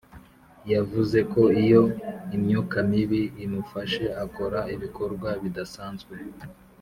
Yavuze ko iyo imyuka mibi imufashe akora ibikorwa bidasanzwe